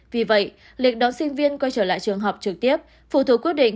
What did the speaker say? vì vậy lịch đón sinh viên quay trở lại trường học trực tiếp phụ thuộc quyết định